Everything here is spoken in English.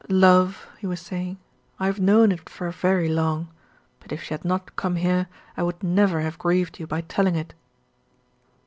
"Love," he was saying, "I have known it for very long; but if she had not come here, I would never have grieved you by telling it."